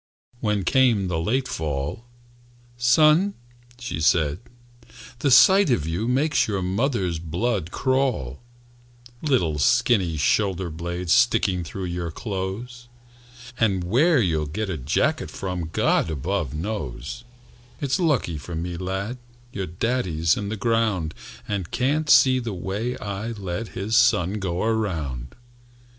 When came the late fall, "Son," she said, "the sight of you Makes your mother's blood crawl,– "Little skinny shoulder blades Sticking through your clothes! And where you'll get a jacket from God above knows. "It's lucky for me, lad, Your daddy's in the ground, And can't see the way I let His son go around!"